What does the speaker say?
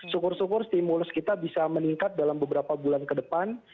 syukur syukur stimulus kita bisa meningkat dalam beberapa bulan ke depan